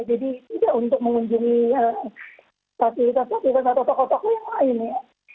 jadi tidak untuk mengunjungi fasilitas fasilitas atau toko toko yang lain ya